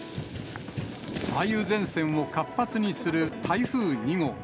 梅雨前線を活発にする台風２号。